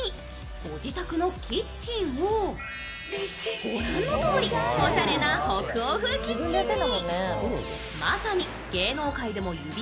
ご自宅のキッチンもおしゃれな北欧風キッチンに。